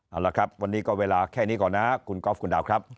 เอาละครับวันนี้ก็เวลาแค่นี้ก่อนนะคุณก๊อฟคุณดาวครับ